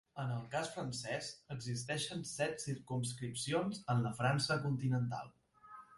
En el cas francès existeixen set circumscripcions en la França continental.